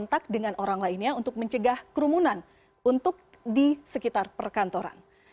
kontak dengan orang lainnya untuk mencegah kerumunan untuk di sekitar perkantoran